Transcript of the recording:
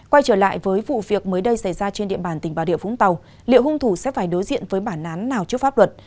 quay trở lại với vụ việc mới đây xảy ra trên địa bàn tỉnh bà rịa vũng tàu liệu hung thủ sẽ phải đối diện với bản án nào trước pháp luật